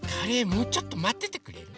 もうちょっとまっててくれる？